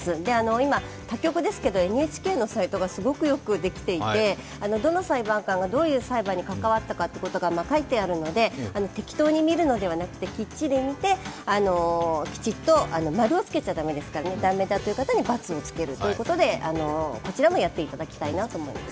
今、他局ですけどＮＨＫのサイトがすごくよくできていて、どの裁判官がどういう裁判に関わったかということが書いてあるので適当に見るのではなくてきっちり見てきちっと、マルをつけちゃだめで、ダメだという方にバツをつけるということで、こちらもやっていただきたいなと思います。